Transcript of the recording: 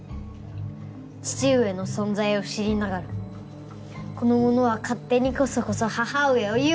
父上の存在を知りながらこの者は勝手にコソコソ母上を誘惑致した！